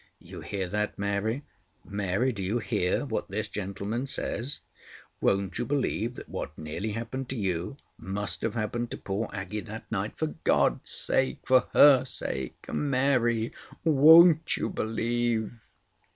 "You hear that, Mary? Mary, do you hear what this gentleman says? Won't you believe that what nearly happened to you must have happened to poor Aggie that night? For God's sake—for her sake—Mary, won't you believe?"